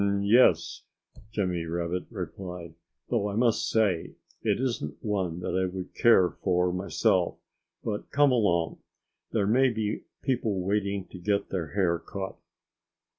"Um yes!" Jimmy Rabbit replied, "though I must say it isn't one that I would care for myself... But come along! There may be people waiting to get their hair cut."